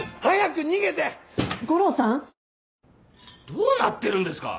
どうなってるんですか？